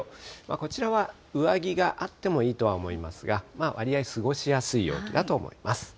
こちらは上着があってもいいとは思いますが、割合過ごしやすい陽気だと思います。